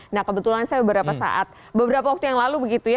nah kebetulan saya beberapa saat beberapa waktu yang lalu begitu ya